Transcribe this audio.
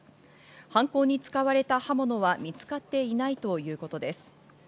犯行に使われた刃物は見つかっていないということです。